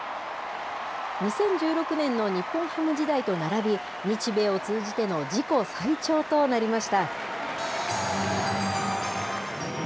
２０１６年の日本ハム時代と並び、日米を通じての自己最長となりました。